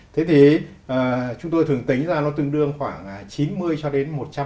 thế thì chúng tôi thường tính ra nó tương đương khoảng chín mươi cho đến một trăm linh